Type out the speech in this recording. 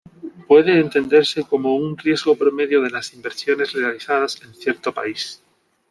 Puede entenderse como un riesgo promedio de las inversiones realizadas en cierto país.